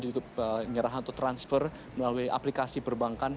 juga penyerahan atau transfer melalui aplikasi perbankan